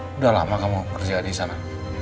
sudah lama kamu kerja disana